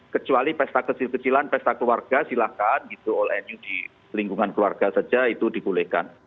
kecuali pesta kecil kecilan pesta keluarga silahkan gitu all mu di lingkungan keluarga saja itu dibolehkan